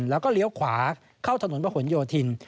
และเลี้ยวขวาเข้าถนนวะขุนโยทิน